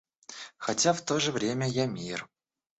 Хотя в то же время я мир.